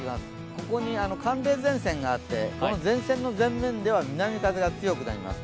ここに寒冷前線があって前線の全面では南風が強くなります。